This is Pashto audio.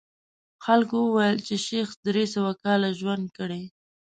خلکو ویل چې شیخ درې سوه کاله ژوند کړی.